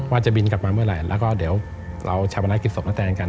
ว่าจะบินกลับมาเมื่อไหร่แล้วก็เดี๋ยวเราชาวประนักกิจศพนาแตนกัน